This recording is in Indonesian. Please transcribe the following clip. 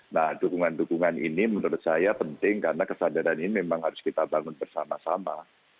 nah dukungan dukungan ini menurut saya penting karena kesadaran ini memang harus kita bangun bersama sama